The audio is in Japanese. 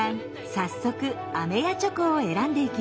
早速あめやチョコを選んでいきます。